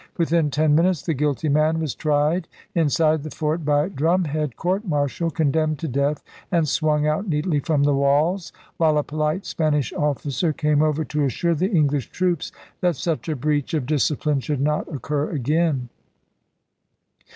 Within ten minutes the guilty man was tried inside the fort by drum head court martial, condemned to death, 13 194 ELIZABETHAN SEA DOGS and swung out neatly from the walls, while a polite Spanish officer came over to assure the English troops that such a breach of discipline should not occur again.